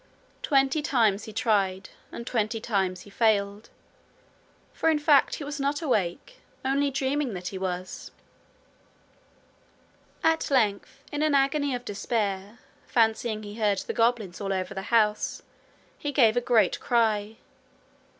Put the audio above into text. Twenty times he tried, and twenty times he failed; for in fact he was not awake, only dreaming that he was. At length in an agony of despair, fancying he heard the goblins all over the house, he gave a great cry.